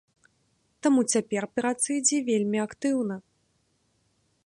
Таму цяпер праца ідзе вельмі актыўна.